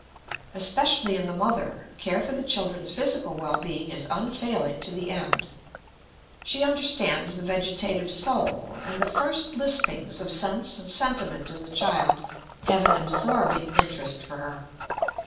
Especially in the mother, care for the children's physical well being is unfailing to the end. She understands the vegetative soul, and the first lispings of sense and sentiment in the child have an absorbing interest for her.